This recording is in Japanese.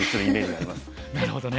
なるほどね。